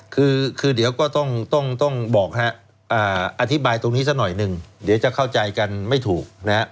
คือเดี๋ยวก็ต้องบอกฮะอธิบายตรงนี้สักหน่อยหนึ่งเดี๋ยวจะเข้าใจกันไม่ถูกนะฮะ